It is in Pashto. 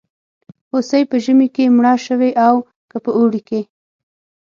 هوسۍ په ژمي کې مړه شوې او که په اوړي کې.